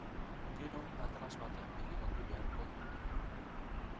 Gero atlas batean begiratu beharko dugu.